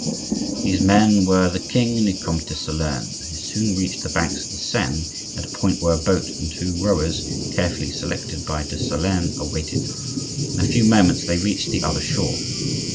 These men were the king and the Comte de Solern, who soon reached the banks of the Seine, at a point where a boat and two rowers, carefully selected by de Solern, awaited them. In a very few moments they reached the other shore.